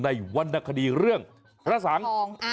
ในวันนาคดีเรื่องพระสังธ์